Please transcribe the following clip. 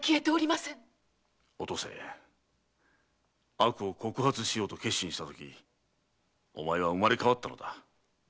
悪を告発しようと決心したときにお前は生まれ変わったのだ。